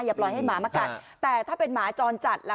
ปล่อยให้หมามากัดแต่ถ้าเป็นหมาจรจัดล่ะ